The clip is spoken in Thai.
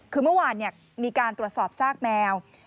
คือเมื่อวานมีการตรวจสอบซากแมว